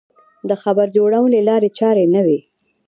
د خبر جوړونې لارې چارې نه وې.